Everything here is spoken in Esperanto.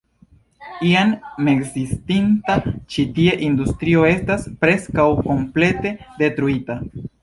Iam ekzistinta ĉi tie industrio estas preskaŭ komplete detruita.